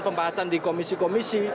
pembahasan di komisi komisi